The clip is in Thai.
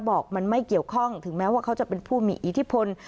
บอกมันไม่เกี่ยวข้องถึงแม้ว่าเขาจะเป็นผู้มีอิทธิพล